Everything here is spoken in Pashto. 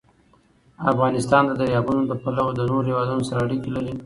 افغانستان د دریابونه له پلوه له نورو هېوادونو سره اړیکې لري.